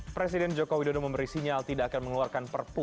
presiden joko widodo memberi sinyal tidak akan mengeluarkan perpu